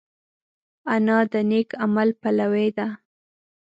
انا د نېک عمل پلوي ده